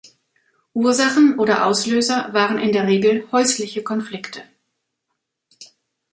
Ursachen oder Auslöser waren in der Regel häusliche Konflikte.